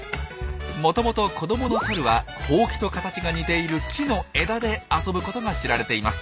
もともと子どものサルはホウキと形が似ている木の枝で遊ぶことが知られています。